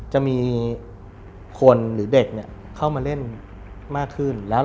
จะมีคนหรือเด็กเข้ามาเล่นมากขึ้น